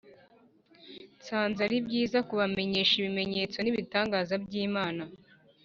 Nsanze ari byiza kubamenyesha ibimenyetso n ibitangaza by’Imana